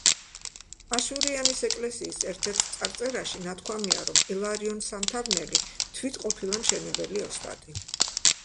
აშურიანის ეკლესიის ერთ-ერთ წარწერაში ნათქვამია, რომ ილარიონ სამთავნელი თვით ყოფილა მშენებელი ოსტატი.